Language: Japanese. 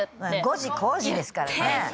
「５時こーじ」ですからね。